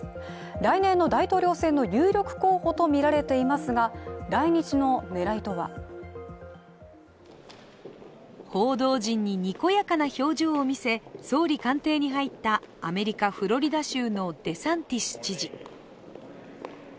来年の大統領選の有力候補とみられていますが来日の狙いとは報道陣ににこやかな表情を見せ総理官邸に入ったアメリカ・フロリダ州のデサンティス知事。